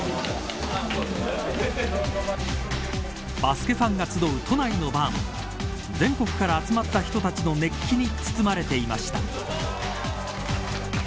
バスケファンが集う都内のバーも全国から集まった人たちの熱気に包まれていました。